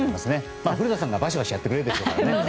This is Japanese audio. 古田さんがバシバシやってくれるでしょうからね。